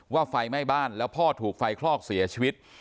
ไฟไหม้บ้านแล้วพ่อถูกไฟคลอกเสียชีวิต